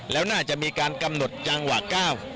แล้วน่าจะมีการกำหนดจังหวะก้าว